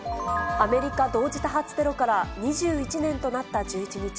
アメリカ同時多発テロから２１年となった１１日。